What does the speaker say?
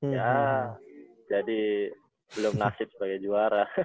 ya jadi belum nasib sebagai juara